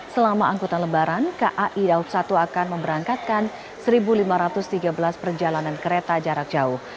selama angkutan lebaran kai daup satu akan memberangkatkan satu lima ratus tiga belas perjalanan kereta jarak jauh